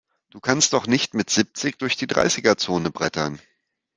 Du kannst doch nicht mit siebzig durch die Dreißiger-Zone brettern!